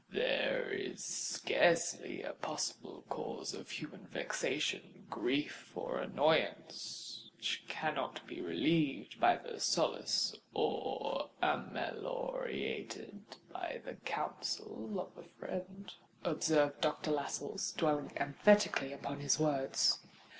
"There is scarcely a possible case of human vexation, grief, or annoyance, which cannot be relieved by the solace, or ameliorated by the counsel, of a friend," observed Doctor Lascelles, dwelling emphatically upon his words.